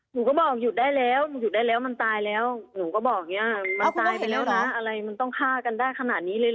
หนูก็บอกหยุดได้แล้วหนูหยุดได้แล้วมันตายแล้วหนูก็บอกอย่างนี้มันตายไปแล้วนะอะไรมันต้องฆ่ากันได้ขนาดนี้เลยเหรอ